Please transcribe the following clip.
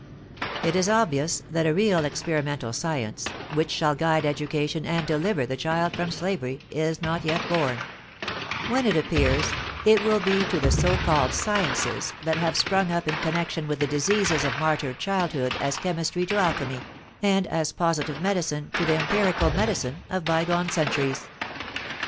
It is obvious that a real experimental science, which shall guide education and deliver the child from slavery, is not yet born; when it appears, it will be to the so called "sciences" that have sprung up in connection with the diseases of martyred childhood as chemistry to alchemy, and as positive medicine to the empirical medicine of bygone centuries.